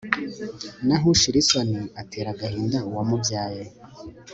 naho ushira isoni atera agahinda uwamubyaye